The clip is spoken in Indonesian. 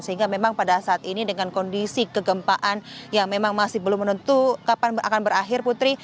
sehingga memang pada saat ini dengan kondisi kegempaan yang memang masih belum menentu kapan akan berakhir putri